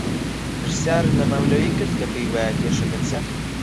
پرسیارت لە مەولەوی کرد کە پێی وایە کێشەکە چییە؟